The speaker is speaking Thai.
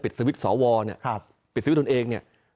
ปิดสวิตสอวรเนี่ยปิดสวิตตัวเองเนี่ย